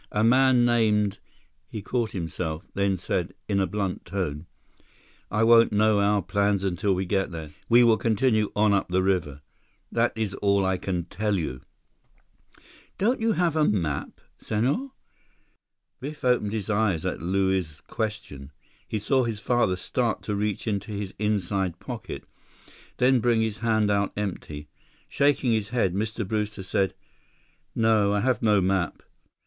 "A man named—" He caught himself, then said in a blunt tone: "I won't know our plans until we get there. We will continue on up the river. That is all that I can tell you." "Don't you have a map, Senhor?" Biff opened his eyes at Luiz's question. He saw his father start to reach into his inside pocket, then bring his hand out empty. Shaking his head, Mr. Brewster said: "No, I have no map.